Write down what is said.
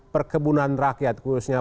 perkebunan rakyat khususnya